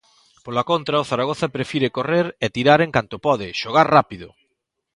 Pola contra, o Zaragoza prefire correr e tirar en canto pode, xogar rápido.